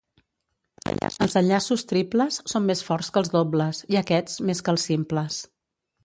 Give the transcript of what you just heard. Els enllaços triples són més forts que els dobles, i aquests més que els simples.